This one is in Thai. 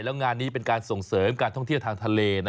แล้วงานนี้เป็นการส่งเสริมการท่องเที่ยวทางทะเล